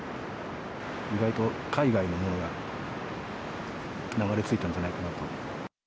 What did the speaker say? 意外と海外のものが流れ着いたんじゃないかなと。